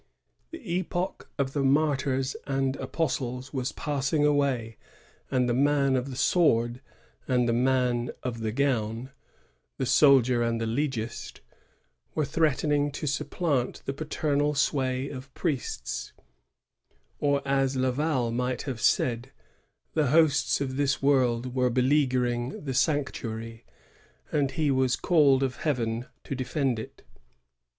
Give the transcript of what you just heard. The epoch of the martyrs and apostles was passing away, and the man of the sword and tiie man of the gown — the soldier and the legist — were threatening to suppl^t the paternal sway of priests ; or, as Laval might have said, the hosts of this world were beleaguering the sanctuary, and he was called of Heaven to defend it.